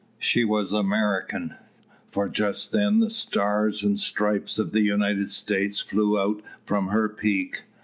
She was American, for just then the stars and stripes of the United States flew out from her peak.